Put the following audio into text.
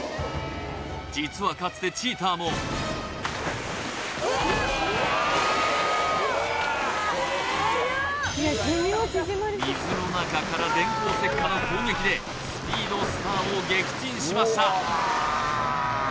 実はかつてチーターも水の中から電光石火の攻撃でスピードスターを撃沈しました